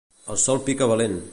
El sol pica valent.